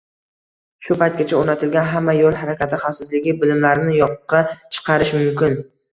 shu paytgacha o‘rgatilgan hamma yo‘l harakati xavfsizligi bilimlarini yo‘qqa chiqarishi mumkin.